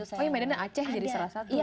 oh ya medan dan aceh jadi salah satu ya